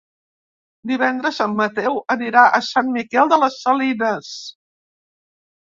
Divendres en Mateu anirà a Sant Miquel de les Salines.